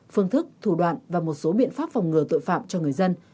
phương thức thủ đoạn và một số biện pháp phòng ngừa tội phạm cho người dân